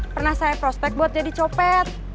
pernah saya prospek buat jadi copet